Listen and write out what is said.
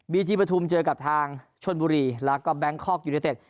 ทีปฐุมเจอกับทางชนบุรีแล้วก็แบงคอกยูเนเต็ด